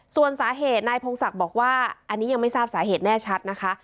ส่วนสาเหตุนายพงศักดิ์บอกว่าอันนี้ยังไม่ทราบสาเหตุแน่ชัดนะคะ